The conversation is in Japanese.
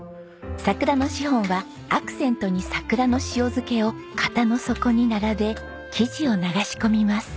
桜のシフォンはアクセントに桜の塩漬けを型の底に並べ生地を流し込みます。